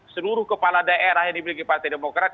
seluruh kepala daerah yang dimiliki partai demokrat